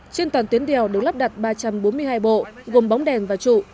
trên toàn tuyến đèo được lắp đặt ba trăm bốn mươi hai bộ gồm bóng đèn và trụ